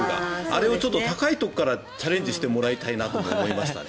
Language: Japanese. あれをちょっと高いところからチャレンジしてほしいと思いました。